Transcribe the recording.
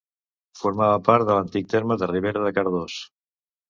Formava part de l'antic terme de Ribera de Cardós.